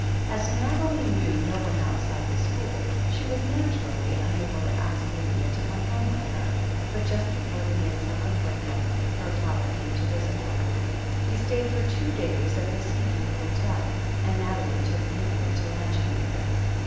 As Nathalie knew no one outside the school, she was naturally unable to ask Lydia to come home with her, but just before the midsummer break up her father canle to visit her. He stayed for two days at the Seaview Hotel, and Nathalie took Lydia to luncheon there.